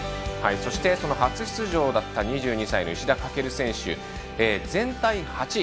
そして初出場だった２２歳の石田駆選手、全体８位。